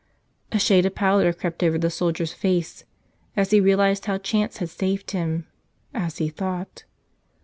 A shade of pallor crept over the soldier's face as he realized how chance had saved him — as he thought.